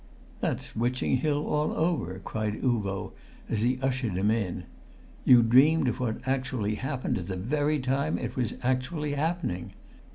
"That's Witching Hill all over!" cried Uvo as he ushered him in. "You dreamed of what actually happened at the very time it was actually happening.